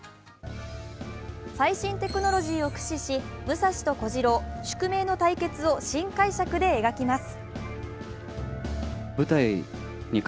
最新テクノロジーを駆使し、武蔵と小次郎、宿命の対決を新解釈で描きます。